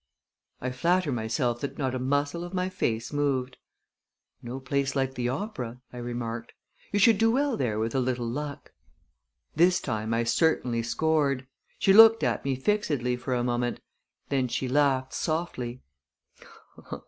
I flatter myself that not a muscle of my face moved. "No place like the opera!" I remarked. "You should do well there with a little luck." This time I certainly scored. She looked at me fixedly for a moment. Then she laughed softly.